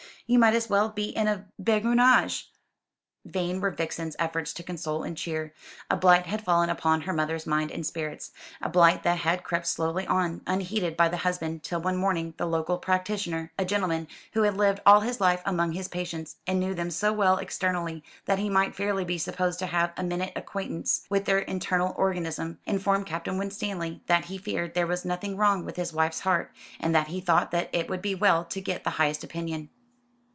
You might as well be in a béguinage." Vain were Vixen's efforts to console and cheer. A blight had fallen upon her mother's mind and spirits a blight that had crept slowly on, unheeded by the husband, till one morning the local practitioner a gentleman who had lived all his life among his patients, and knew them so well externally that he might fairly be supposed to have a minute acquaintance with their internal organism informed Captain Winstanley that he feared there was something wrong with his wife's heart, and that he thought that it would be well to get the highest opinion.